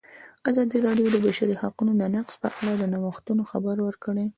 ازادي راډیو د د بشري حقونو نقض په اړه د نوښتونو خبر ورکړی.